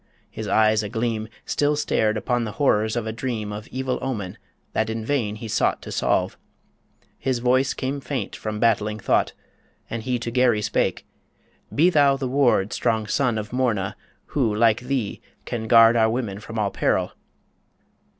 His eyes a gleam Still stared upon the horrors of a dream Of evil omen that in vain he sought To solve ... His voice came faint from battling thought, As he to Garry spake "Be thou the ward Strong son of Morna: who, like thee, can guard Our women from all peril!"